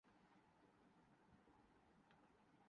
hockey world cup Belgium کی جیت Bharat quarter final میں